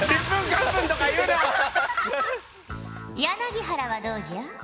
柳原はどうじゃ？